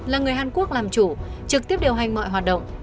là người hàn quốc làm chủ trực tiếp điều hành mọi hoạt động